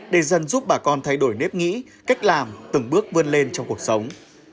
để dần giúp bà con thay đổi nếp nghĩ cách làm từng bước vươn lên trong cuộc sống